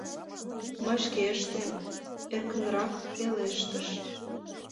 Мый шке ыштем, — эркынрак пелештыш...